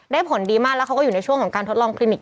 ผลดีมากแล้วเขาก็อยู่ในช่วงของการทดลองคลินิก